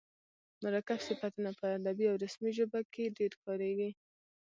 مرکب صفتونه په ادبي او رسمي ژبه کښي ډېر کاریږي.